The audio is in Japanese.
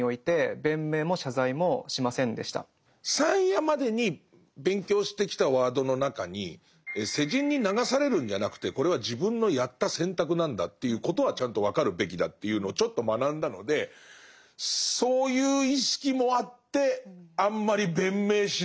３夜までに勉強してきたワードの中に世人に流されるんじゃなくてこれは自分のやった選択なんだっていうことはちゃんと分かるべきだというのをちょっと学んだのでそういう意識もあってあんまり弁明しないのかなっていう。